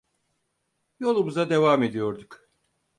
Yolumuza devam ediyorduk.